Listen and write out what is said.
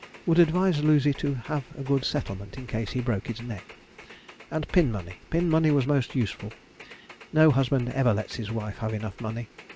Would advise Lucy to have a good settlement, in case he broke his neck. And pin money! pin money was most useful! no husband ever let his wife have enough money.